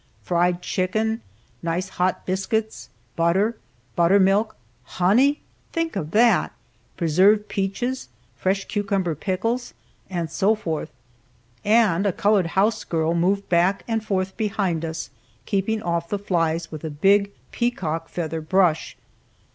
Fried chicken, nice hot biscuits, butter, butter milk, honey, (think of that!) preserved peaches, fresh cucumber pickles, and so forth. And a colored house girl moved back and forth behind us, keeping off the flies with a big peacock feather brush.